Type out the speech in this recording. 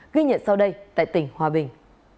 ghi nhận sau đây tại tỉnh hòa bình